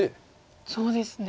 そうですね。